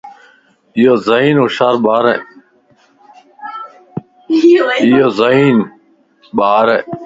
ايي ذھين / ھوشيار ٻارن